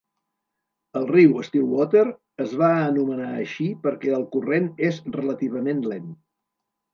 El riu Stillwater es va anomenar així perquè el corrent és relativament lent.